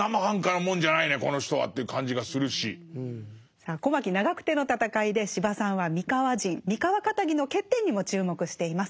さあ小牧・長久手の戦いで司馬さんは三河人三河かたぎの欠点にも注目しています。